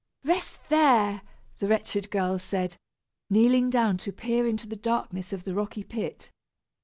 "Rest there!" the wretched girl said, kneeling down to peer into the darkness of the rocky pit.